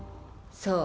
そう。